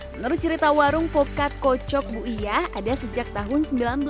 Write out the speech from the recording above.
menurut cerita warung pokat kocok buiyah ada sejak tahun seribu sembilan ratus sembilan puluh